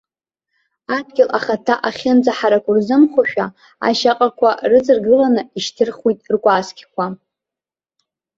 Адгьыл ахаҭа ахьынӡаҳараку рзымхошәа, ашьаҟақәа рыҵаргыланы ишьҭырхуеит ркәасқьақәа.